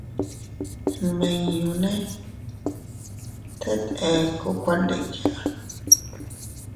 Nmiñune teet ekku kuandiya.